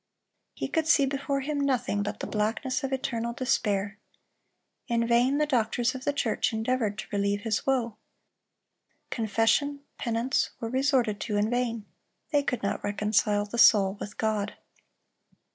He could see before him nothing but the blackness of eternal despair. In vain the doctors of the church endeavored to relieve his woe. Confession, penance, were resorted to in vain; they could not reconcile the soul with God.